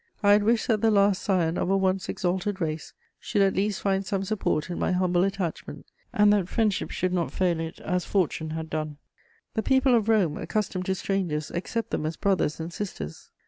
I had wished that the last scion of a once exalted race should at least find some support in my humble attachment, and that friendship should not fail it as fortune had done. The people of Rome, accustomed to strangers, accept them as brothers and sisters.